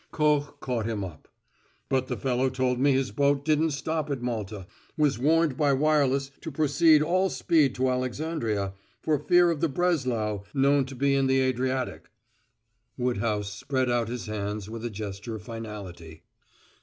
Koch caught him up: "But the fellow told me his boat didn't stop at Malta was warned by wireless to proceed at all speed to Alexandria, for fear of the Breslau, known to be in the Adriatic." Woodhouse spread out his hands with a gesture of finality.